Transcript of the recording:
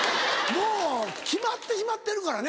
もう決まってしまってるからね。